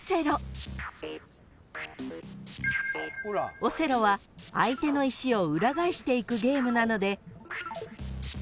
［オセロは相手の石を裏返していくゲームなので］